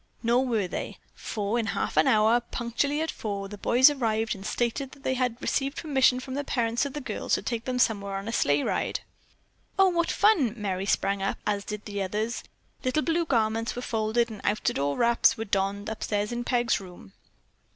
Nor were they, for in a half hour, punctually at four, the boys arrived and stated that they had received permission from the parents of the girls to take them somewhere on a sleigh ride. "Oh, what fun!" Merry sprang up, as did the others. Little blue garments were folded and outdoor wraps were donned upstairs in Peg's room.